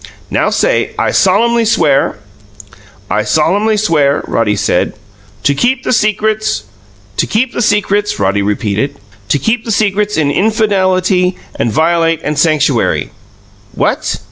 Now, say 'I solemnly swear '" "I solemnly swear " Roddy said. "To keep the secrets " "To keep the secrets " Roddy repeated. "To keep the secrets in infadelaty and violate and sanctuary." "What?"